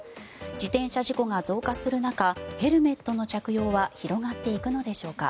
自転車事故が増加する中ヘルメットの着用は広がっていくのでしょうか。